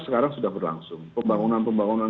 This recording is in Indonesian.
sekarang sudah berlangsung pembangunan pembangunan